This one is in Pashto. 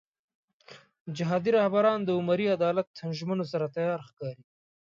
جهادي رهبران د عمري عدالت ژمنو سره تیار ښکاري.